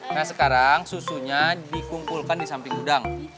nah sekarang susunya dikumpulkan di samping udang